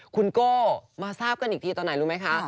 คุณโก้มาทราบกันอีกทีตอนไหนรู้ไหมคะ